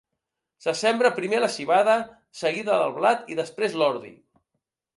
Se sembra primer la civada, seguida del blat i després l'ordi.